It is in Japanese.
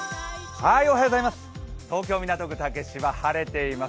東京・港区竹芝、晴れています。